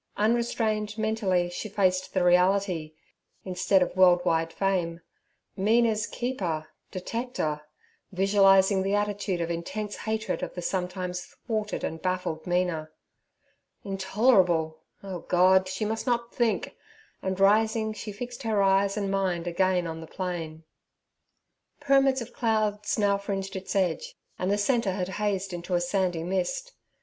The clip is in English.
Unrestrained mentally she faced the reality—instead of world wide fame—'Mina's keeper' 'detecter' visualizing the attitude of intense hatred of the sometimes thwarted and baffled Mina. Intolerable! Oh God! she must not think, and, rising, she fixed her eyes and mind again on the plain. Pyramids of clouds now fringed its edge, and the centre had hazed into a sandy mist.